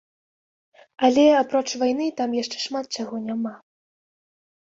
Але, апроч вайны, там яшчэ шмат чаго няма.